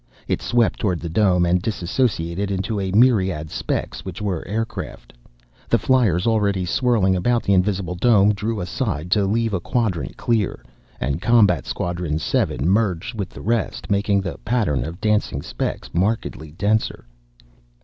It swept toward the dome and dissociated into a myriad specks which were aircraft. The fliers already swirling about the invisible dome drew aside to leave a quadrant clear, and Combat Squadron Seven merged with the rest, making the pattern of dancing specks markedly denser.